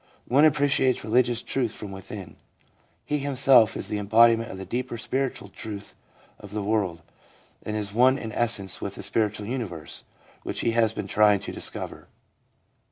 One appreciates religious truth from within ; he himself is the embodiment of the deeper spiritual truth of the world, and is one in essence with the spiritual universe, which he has been trying to discover.